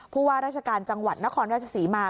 ผู้ว่าราชการจังหวัดนครราชศรีมา